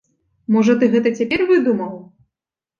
Можа ты гэта цяпер выдумаў?